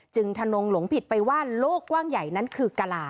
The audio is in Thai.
ทนงหลงผิดไปว่าโลกกว้างใหญ่นั้นคือกะลา